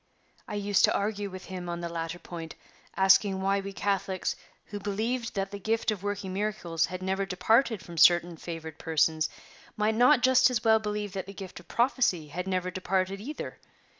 I used to argue with him on the latter point, asking why we Catholics, who believed that the gift of working miracles had never departed from certain favored persons, might not just as well believe that the gift of prophecy had never departed, either?